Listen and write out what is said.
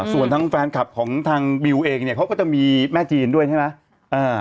ส่วนทางแฟนคลับของทางบิวเองเนี่ยเขาก็จะมีแม่จีนด้วยใช่ไหม